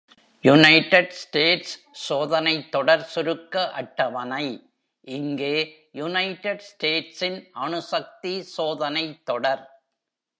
United States சோதனைத் தொடர் சுருக்க அட்டவணை இங்கே: யுனைடெட் ஸ்டேட்ஸின் அணுசக்தி சோதனைத் தொடர்.